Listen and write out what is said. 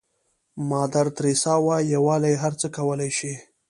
مادر تریسا وایي یووالی هر څه کولای شي.